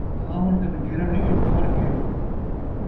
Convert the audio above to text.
کھاوݨ تے نگھیرݨ ءِچ فرق ہے